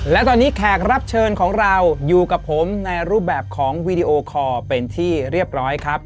และตอนนี้แขกรับเชิญของเราอยู่กับผมในรูปแบบของวีดีโอคอร์เป็นที่เรียบร้อยครับ